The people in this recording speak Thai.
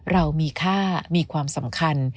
เรามีค่ามีความสำคัญ